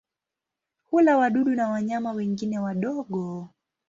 Hula wadudu na wanyama wengine wadogo.